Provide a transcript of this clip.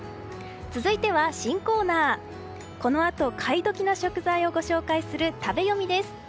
続いては、新コーナーこのあと買い時の食材をご紹介する食べヨミです。